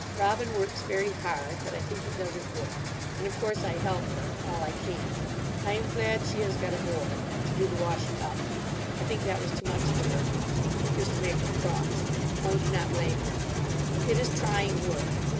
Robin works very hard. But I think it does her good. And of course I help her. All I can. I am glad she has got a boy. To do the washing up. I think that was too much for her. It used to make her cross. One cannot blame her. It is trying work.